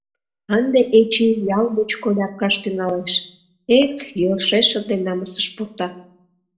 Ынде Эчи ял мучко ляпкаш тӱҥалеш, эх, йӧршеш ынде намысыш пурта!..